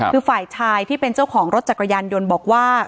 คือฝ่ายชายที่เป็นเจ้าของรถจักรยานยนต์บอกว่า